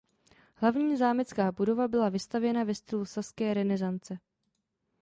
Hlavní zámecká budova byla vystavěna ve stylu saské renesance.